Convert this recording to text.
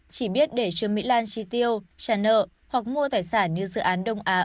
chỉ biết để trương mỹ lan chi tiêu trả nợ hoặc mua tài sản như dự án đông á